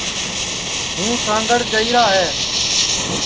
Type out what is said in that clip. ہوں سانٚگھڑ جائیری ہے